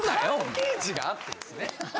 関係値があってですね